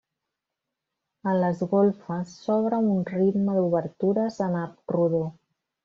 A les golfes s'obre un ritme d'obertures en arc rodó.